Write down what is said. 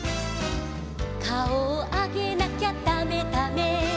「かおをあげなきゃだめだめ」